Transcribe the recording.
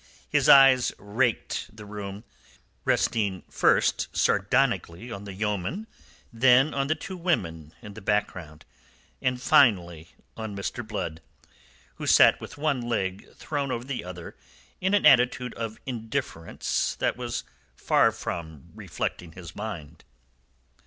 His eyes raked the room, resting first sardonically on the yeoman, then on the two women in the background, and finally on Mr. Blood, who sat with one leg thrown over the other in an attitude of indifference that was far from reflecting his mind.